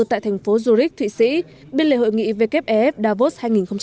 tại thành phố zurich thụy sĩ biên lệ hội nghị vkf davos hai nghìn một mươi chín